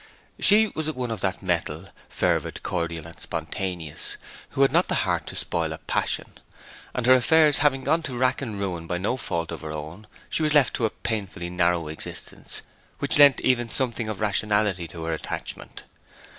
But she was one of that mettle fervid, cordial, and spontaneous who had not the heart to spoil a passion; and her affairs having gone to rack and ruin by no fault of her own she was left to a painfully narrowed existence which lent even something of rationality to her attachment.